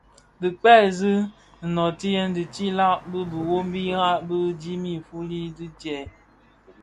Dhi kpëňzi nnöötighèn dhi tiilag, biwoghirèna dhidi fuuli di djèè.